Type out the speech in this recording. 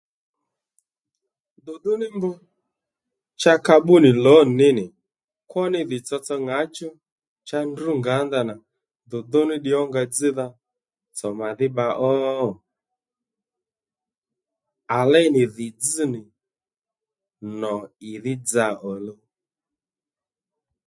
Dùdú ní mb cha ka bbú nì lǒn ní nì kwó ní dhì tsotso ŋǎchú cha ndrǔ ngǎ ndanà dùdú ní ddiy ónga dzzdha tsò màdhí bba ó? À léy nì dhì dzz nì nò ìdhí dza òluw